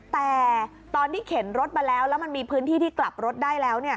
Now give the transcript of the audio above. แต่ตอนที่เข็นรถมาแล้วแล้วมันมีพื้นที่ที่กลับรถได้แล้ว